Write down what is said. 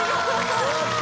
やった！